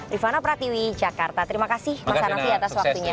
rifana pratiwi jakarta terima kasih mas hanafi atas waktunya